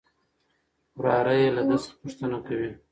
وراره يې له ده څخه پوښتنه کوي.